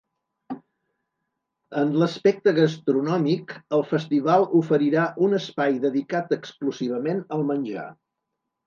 En l’aspecte gastronòmic, el festival oferirà un espai dedicat exclusivament al menjar.